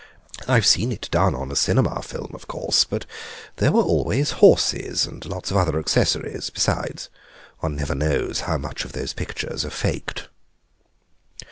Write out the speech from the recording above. I've seen it done on a cinema film, of course, but there were always horses and lots of other accessories; besides, one never knows how much of those pictures are faked."